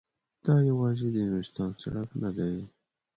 دا یوازې د نورستان سړک نه دی.